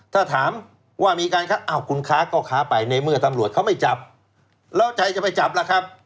ถ้าถามว่ามีการค้าอ้าวคุณค้าก็ค้าไปในเมื่อตำรวจเขาไม่จับแล้วใจจะไปจับล่ะครับ